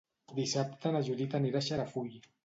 Dissabte na Judit anirà a Xarafull.